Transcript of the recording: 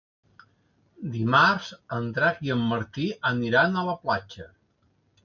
Dimarts en Drac i en Martí aniran a la platja.